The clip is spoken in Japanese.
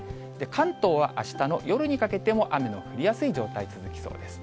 関東はあしたの夜にかけても雨の降りやすい状態続きそうです。